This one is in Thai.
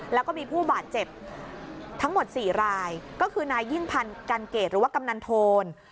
แล้วก็มีผู้บาดเจ็บทั้งหมด๔รายก็คือนายยิ่งพันธ์กันเกตหรือว่ากำนันโทน